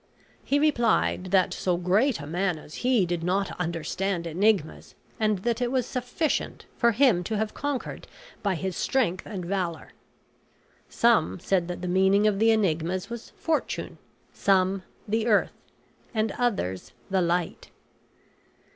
He replied that so great a man as he did not understand enigmas, and that it was sufficient for him to have conquered by his strength and valor. Some said that the meaning of the enigmas was Fortune; some, the Earth; and others the Light.